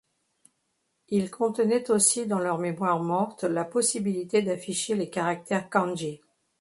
Ils contenaient aussi dans leur mémoire morte la possibilité d'afficher les caractères Kanji.